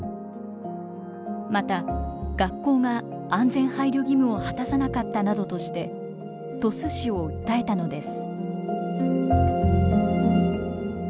また学校が安全配慮義務を果たさなかったなどとして鳥栖市を訴えたのです。